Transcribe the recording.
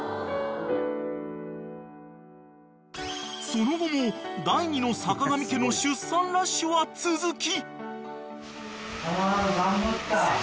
［その後も第２のさかがみ家の出産ラッシュは続き］